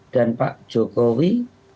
dan pak jokowi